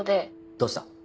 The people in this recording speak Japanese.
どうした？